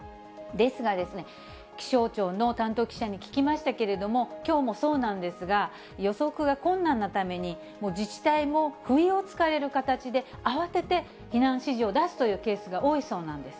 ですが、気象庁の担当記者に聞きましたけれども、きょうもそうなんですが、予測が困難なために、もう自治体も不意を突かれる形で、慌てて避難指示を出すというケースが多いそうなんです。